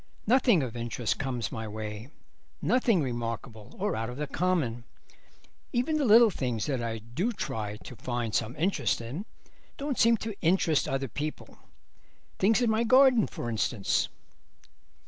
Nothing of interest comes my way, nothing remarkable or out of the common. Even the little things that I do try to find some interest in don't seem to interest other people. Things in my garden, for instance."